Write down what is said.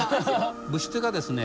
物質がですね